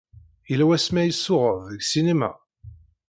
Yella wasmi ay tsuɣeḍ deg ssinima?